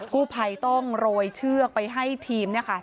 กู้ภัยต้องโรยเชือกไปให้ทีม